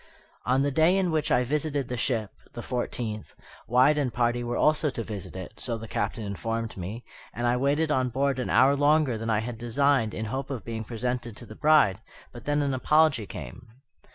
On the day in which I visited the ship (the fourteenth), Wyatt and party were also to visit it, so the Captain informed me, and I waited on board an hour longer than I had designed in hope of being presented to the bride; but then an apology came.